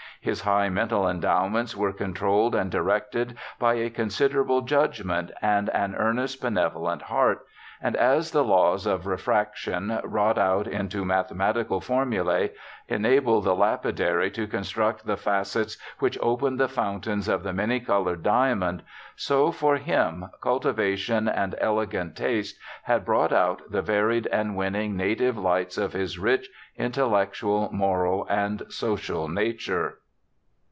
His high mental endowments were controlled and directed by a considerate judgement and an earnest, benevolent heart ; and as the laws of refrac tion, wrought out into mathematical formulae, enable the lapidary to construct the facets which open the fountams of the many coloured diamond, so, for him, cultivation and elegant taste had brought out the varied and winning native lights of his rich, intellectual, moral, and social nature.'